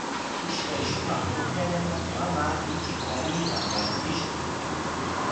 Ishkay shumaq pukllanata mamaa ichik paniipaq rantishqa.